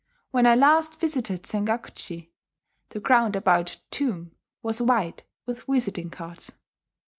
When I last visited Sengakuji, the ground about the tombs was white with visiting cards.